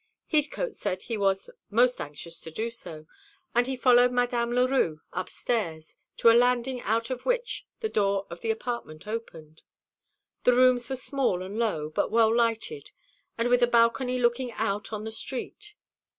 Heathcote said he was most anxious to do so; and he followed Madame Leroux up stairs, to a landing out of which the door of the apartment opened. The rooms were small and low, but well lighted, and with a balcony looking out on the street.